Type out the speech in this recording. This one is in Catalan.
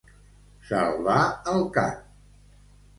Salvar el cap.